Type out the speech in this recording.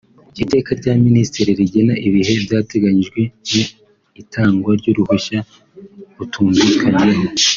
Iteka rya Minsitiri rigena ibihe byateganyijwe mu itangwa ry’uruhushya rutumvikanyweho